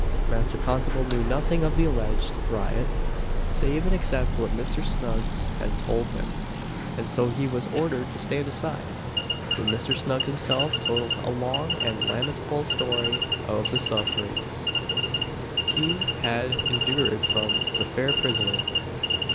Master Constable knew nothing of the alleged riot, save and except what Mr. Snuggs had told him; and so he was ordered to stand aside; but Mr. Snuggs himself told a long and lamentable story of the sufferings he had endured from the fair prisoner.